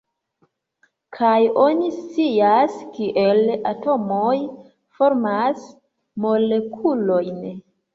Kaj oni scias, kiel atomoj formas molekulojn.